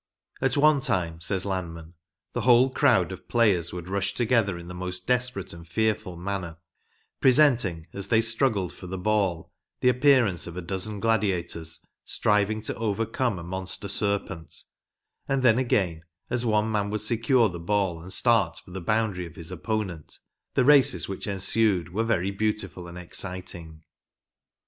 " At one time," says Lanman, " the whole crowd of players would rush together in the most desperate and fearful manner, presenting, as they struggled for the ball, the appearance of a dozen gladiators, striving to overcome a monster serpent ; and then again, as one man would secure the ball and start for the boundary of his opponent, i> ‚ÄĘm 26 THE ORIGINAL GAME. u the races which ensued were very beautiful and exciting."